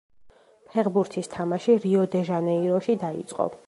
ფეხბურთის თამაში რიო-დე-ჟანეიროში დაიწყო.